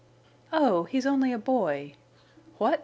"Oh, he's only a boy!... What!